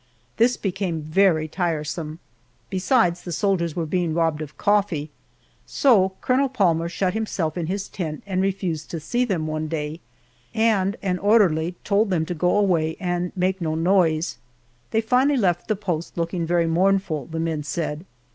This became very tiresome; besides, the soldiers were being robbed of coffee, so Colonel Palmer shut himself in his tent and refused to see them one day, and an orderly told them to go away and make no noise. They finally left the post looking very mournful, the men said.